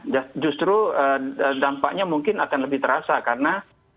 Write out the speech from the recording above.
ya justru dampaknya mungkin akan lebih terasa karena